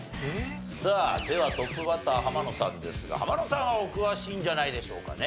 ではトップバッター浜野さんですが浜野さんはお詳しいんじゃないでしょうかね。